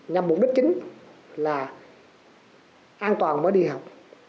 nhằm mục đích chính là an toàn mới đi học